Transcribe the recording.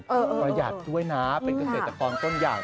ประหยัดด้วยนะเป็นเกษตรกรต้นใหญ่